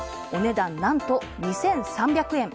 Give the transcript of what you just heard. お値段、何と２３００円。